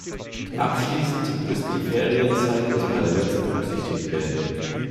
Abschließend müssen die Ferienzeiten des Parlaments berücksichtigt werden.